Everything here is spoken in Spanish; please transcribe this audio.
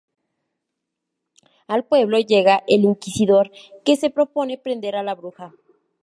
Al pueblo llega el Inquisidor que se propone prender a la bruja.